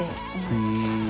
うん。